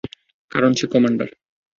কারণ সে কমান্ডার।